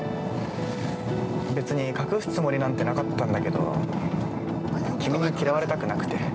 別に隠すつもりなんてなかったんだけど、君に嫌われたくなくて。